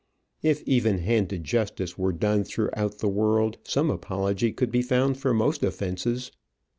If even handed justice were done throughout the world, some apology could be found for most offences.